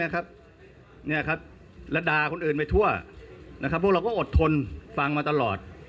และด่าคนอื่นไปทั่วพวกเราก็อดทนฟังมาตลอด